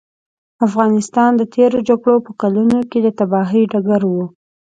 افغانستان د تېرو جګړو په کلونو کې د تباهیو ډګر و.